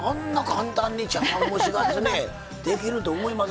簡単に茶碗蒸しができると思いません。